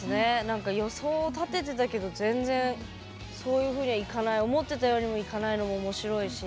何か予想を立ててたけど全然そういうふうにはいかない思ってたようにもいかないのも面白いし。